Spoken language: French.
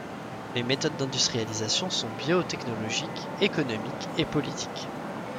Les méthodes d'industrialisation sont biotechnologique, économique et politique.